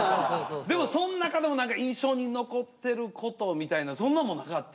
でもそん中でも何か印象に残ってることみたいなそんなんもなかった？